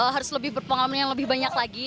harus lebih berpengalaman yang lebih banyak lagi